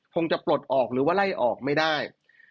คงจะปลดออกหรือว่าไล่ออกไม่ได้